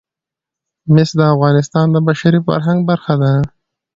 مس د افغانستان د بشري فرهنګ برخه ده.